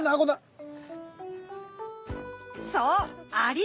そうアリ。